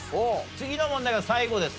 次の問題が最後です。